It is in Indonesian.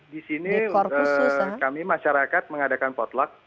di sini kami masyarakat mengadakan potluck